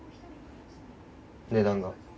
値段が。